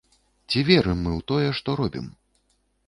Ці верым мы ў тое, што робім?